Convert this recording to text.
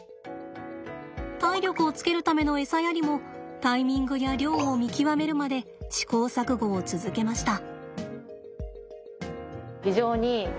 体力をつけるためのエサやりもタイミングや量を見極めるまで試行錯誤を続けました。